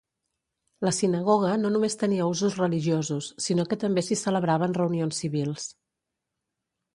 La sinagoga no només tenia usos religiosos sinó que també s'hi celebraven reunions civils.